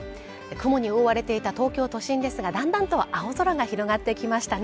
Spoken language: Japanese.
雲に覆われていた東京都心ですがだんだんと青空が広がってきましたね